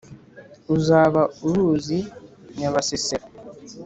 uzaba uruzi nyabasesera